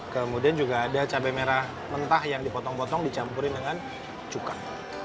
kemudian juga ada cabai merah mentah yang dipotong potong dicampurin dengan cukai